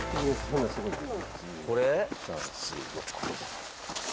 これ？